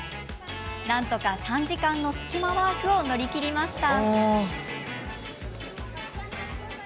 なんとか３時間のスキマワークを乗り切りました。